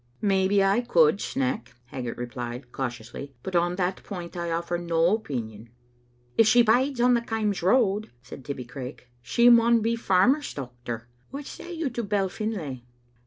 " Maybe I could, Sneck," Haggart replied, cautiously; "but on that point I offer no opinion." "If she bides on the Kaims road," said Tibbie Craik, " she maun be a farmer's dochter. What say you to Bell Finlay?"